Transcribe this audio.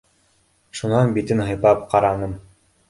Шунан битен һыйпап ҡараным.